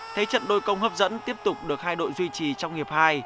thế trận đôi công hấp dẫn tiếp tục được hai đội duy trì trong hiệp hai